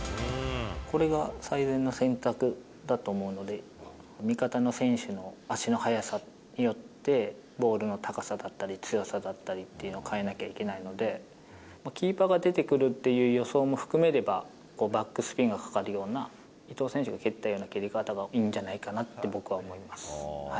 これが最善の選択だと思うので、味方の選手の足の速さによって、ボールの高さだったり強さだったりっていうのを変えなきゃいけないので、キーパーが出てくるっていう予想も含めれば、バックスピンがかかるような、伊東選手の蹴り方がいいんじゃないかなって、僕は思います。